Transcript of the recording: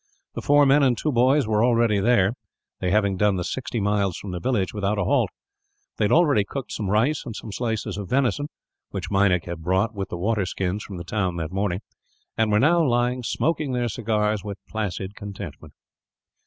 The four men and two boys were already there, they having done the sixty miles from the village without a halt. They had already cooked some rice and some slices of venison which Meinik had brought, with the water skins, from the town that morning and were now lying smoking their cigars with placid contentment.